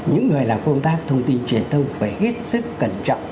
những người làm công tác thông tin truyền thông phải hết sức cẩn trọng